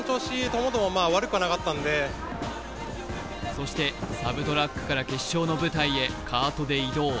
そしてサブトラックから決勝の舞台へカートで移動。